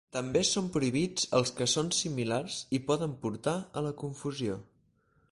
També són prohibits els que són similars i poden portar a la confusió.